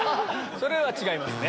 これ違いますね。